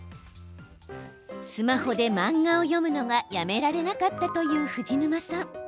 スマホで漫画を読むのがやめられなかったという藤沼さん。